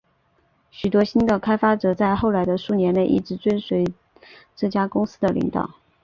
许多新的开发者在后来的数年内一直追随这家公司的领导。